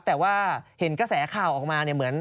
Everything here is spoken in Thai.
แต่ว่าเห็นกระแสข่าวออกมาเนี่ยเหมือน